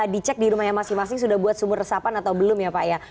dicek di rumahnya masing masing sudah buat sumur resapan atau belum ya pak ya